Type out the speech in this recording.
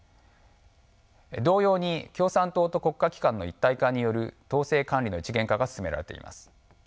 同様に共産党と国家機関の一体化による統制・管理の一元化が進められています。